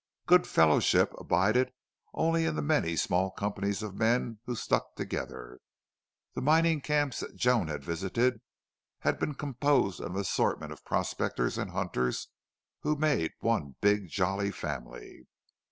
Good fellowship abided only in the many small companies of men who stuck together. The mining camps that Joan had visited had been composed of an assortment of prospectors and hunters who made one big, jolly family.